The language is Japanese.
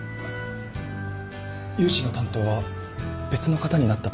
融資の担当は別の方になったと。